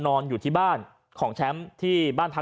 ก็ได้พลังเท่าไหร่ครับ